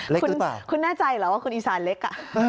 เล็กหรือเปล่าคุณน่าใจเหรอว่าคุณอิสานเล็ก